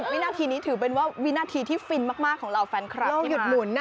๑๐วินาทีนี้ถือเป็นว่าวินาทีที่ฟินมากของเราแฟนคลักษณ์ที่มา